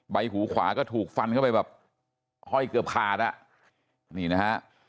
ใบหูขวาก็ถูกฟันเข้าไปแบบห้อยเกือบขาดอ่ะนี่นะฮะ